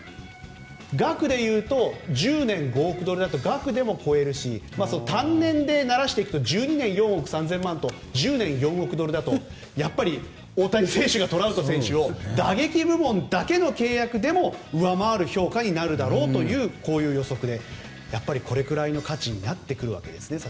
額でいうと、１０年５億ドルだと額でも超えるし単年でならしていくと１２年、４億３０００万と１０年４億ドルだと大谷選手がトラウト選手を打撃部門だけの契約でも上回る評価になるだろうというこういう予測でこれくらいの価値になってくるわけですね。